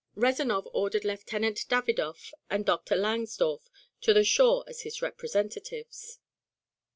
Rezanov ordered Lieutenant Davidov and Dr. Langsdorff to the shore as his representatives.